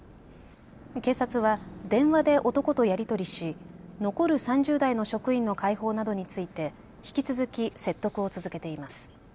警察は電話で男とやり取りし残る３０代の職員の解放などについて引き続き説得を続けています。